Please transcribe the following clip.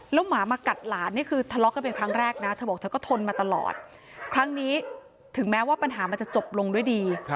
หมามากัดหลานนี่คือทะเลาะกันเป็นครั้งแรกนะเธอบอกเธอก็ทนมาตลอดครั้งนี้ถึงแม้ว่าปัญหามันจะจบลงด้วยดี